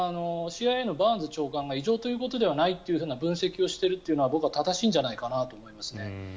ＣＩＡのバーンズ長官が異常ということではないという分析をしているというのは僕は正しいんじゃないかなと思いますね。